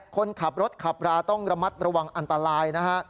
คนขับรถขับราต้องระมัดระวังอันตรายนะฮะ